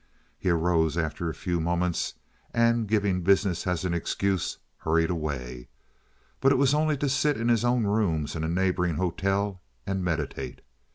He arose after a few moments and, giving business as an excuse, hurried away. But it was only to sit in his own rooms in a neighboring hotel and meditate.